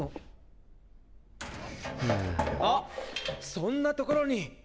そんなところに。